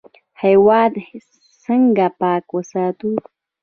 هیواد څنګه پاک وساتو؟